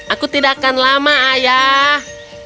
aku tidak akan lama ayah